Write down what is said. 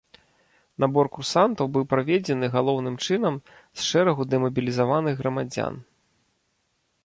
Набор курсантаў быў праведзены галоўным чынам з шэрагаў дэмабілізаваных грамадзян.